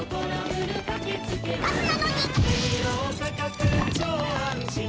ガスなのに！